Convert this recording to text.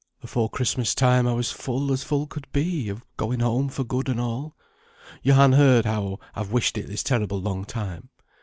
Afore Christmas time I was as full as full could be, of going home for good and all; yo' han heard how I've wished it this terrible long time.